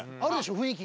雰囲気が。